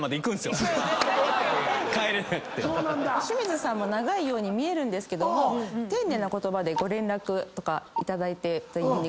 清水さんも長いように見えるんですけども丁寧な言葉で「ご連絡」とか「頂いて」というふうに。